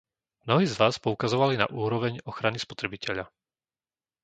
Mnohí z vás poukazovali na úroveň ochrany spotrebiteľa.